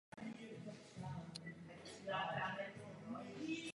Ohledně ostatní třetiny uzavřel stav městský zvláštní smlouvu.